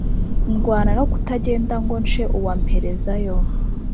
ndwana no kutagenda ngo nce uwa mperezayo